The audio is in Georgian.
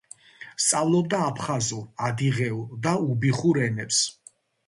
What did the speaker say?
სწავლობდა აფხაზურ, ადიღეურ და უბიხურ ენებს.